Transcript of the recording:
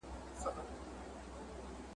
پر مزار د شالمار دي انارګل درته لیکمه ,